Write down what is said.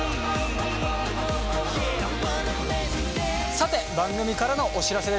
さて番組からのお知らせです。